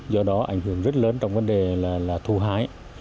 do đó ảnh hưởng rất lớn trong vấn đề là thu hái